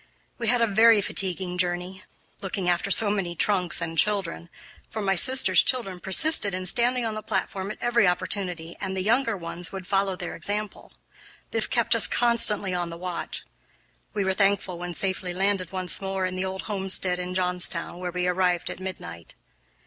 We had a very fatiguing journey, looking after so many trunks and children, for my sister's children persisted in standing on the platform at every opportunity, and the younger ones would follow their example. This kept us constantly on the watch. We were thankful when safely landed once more in the old homestead in Johnstown, where we arrived at midnight.